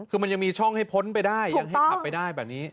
คือมันยังมีช่องให้พ้นไปได้ยังให้ขับไปได้แบบนี้